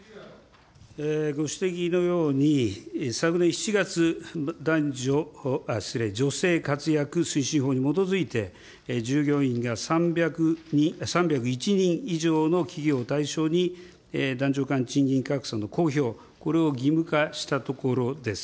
ご指摘のように、昨年７月、男女、失礼、女性活躍推進法に基づいて、従業員が３０１人以上の企業を対象に、男女間賃金格差の公表、これを義務化したところです。